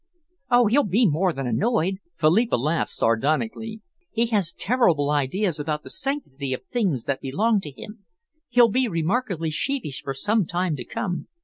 "Oh, he'll be more than annoyed!" Philippa laughed sardonically. "He has terrible ideas about the sanctity of things that belong to him. He'll be remarkably sheepish for some time to come.